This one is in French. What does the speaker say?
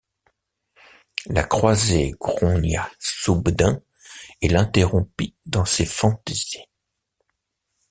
La croisée grongna soubdain et l’interrompit dans ses phantaisies.